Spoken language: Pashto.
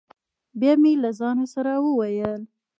بیا مې له ځانه سره وویل: